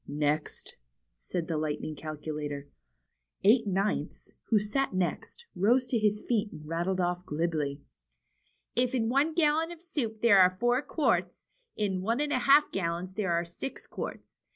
Next," said the Lightning Calculator. Eight Ninths, who sat next, rose to his feet, and rattled off glibly : If in one gallon of soup there are four quarts, 74 THE CHILDREN'S WONDER BOOK. in one and a half gallons there are six quarts.